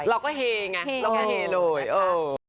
เราก็เฮไงเราก็เฮด้วยโอ้ยโอ้ยโอ้ยโอ้ยโอ้ยโอ้ย